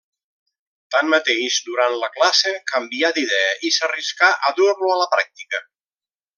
Tanmateix durant la classe canvià d'idea i s'arriscà a dur-lo a la pràctica.